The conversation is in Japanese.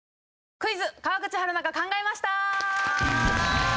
「クイズ川口春奈が考えました」！